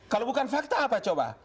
kalau bukan fakta apa coba